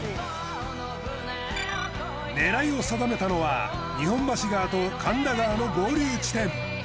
狙いを定めたのは日本橋川と神田川の合流地点。